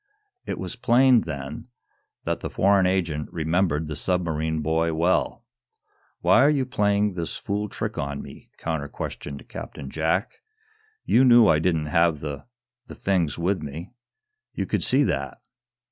It was plain, then, that the foreign agent remembered the submarine boy well. "Why are you playing this fool trick on me?" counter questioned Captain Jack. "You knew I didn't have the the things with me. You could see that."